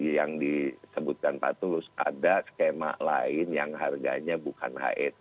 yang disebutkan pak tulus ada skema lain yang harganya bukan het